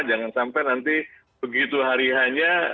jangan sampai nanti begitu hari hanya